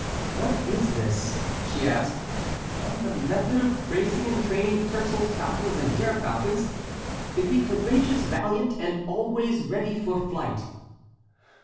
"What is this?" she asked; "'On the Method of Raising and Training Tercels, Falcons, and Gerfalcons to be Courageous, Valiant, and always ready for Flight.'"